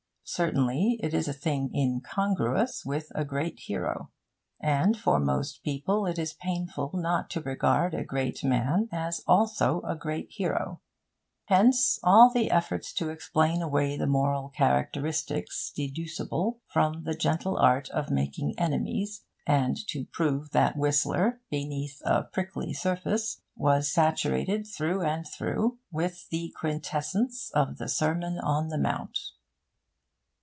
Certainly, it is a thing incongruous with a great hero. And for most people it is painful not to regard a great man as also a great hero; hence all the efforts to explain away the moral characteristics deducible from The Gentle Art of Making Enemies, and to prove that Whistler, beneath a prickly surface, was saturated through and through with the quintessence of the Sermon on the Mount.